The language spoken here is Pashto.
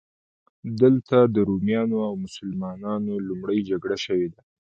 دلته د رومیانو او مسلمانانو لومړۍ جګړه شوې ده.